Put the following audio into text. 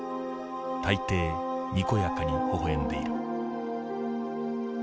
大抵にこやかにほほ笑んでいる」。